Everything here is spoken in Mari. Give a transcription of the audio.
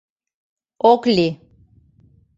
— Ок лий.